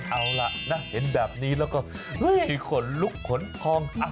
เอาล่ะนะเห็นแบบนี้แล้วก็คือขนลุกขนพอง